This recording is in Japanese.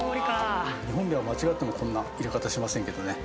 日本では間違ってもこんな入れ方しませんけどね。